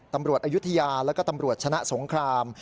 ตำรวจอยุธยาและก็ตำรวจชนะสงคราม